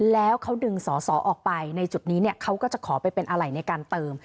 แล้วเขาดึงสอสอออกไปในจุดนี้เขาก็จะขอไปเป็นอะไรในการเติม